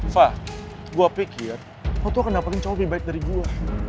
fah gue pikir aku tuh akan dapetin cowok lebih baik dari gue